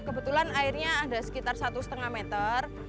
kebetulan airnya ada sekitar satu lima meter